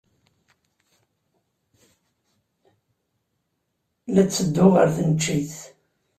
La ttedduɣ ɣer tneččit.